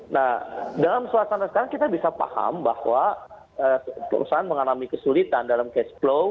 nah dalam suasana sekarang kita bisa paham bahwa perusahaan mengalami kesulitan dalam cash flow